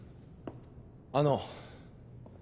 あの。